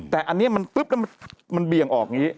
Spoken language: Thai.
แต่อันนี้มันปุ๊บแล้วมันเบี่ยงออกอย่างนี้